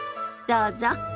どうぞ。